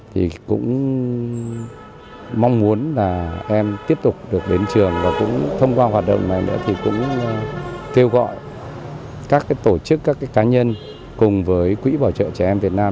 thì cũng mong muốn là em tiếp tục được đến trường và cũng thông qua hoạt động này nữa thì cũng kêu gọi các tổ chức các cá nhân cùng với quỹ bảo trợ trẻ em việt nam